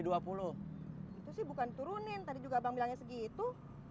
itu sih bukan turunin tadi juga bang bilangnya segitu